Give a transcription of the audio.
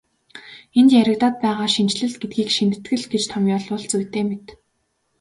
Энд яригдаад байгаа шинэчлэл гэдгийг шинэтгэл гэж томьёолбол зүйтэй мэт.